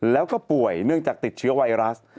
แล้วก็ป่วยเนื่องจากติดเชื้อไวรัส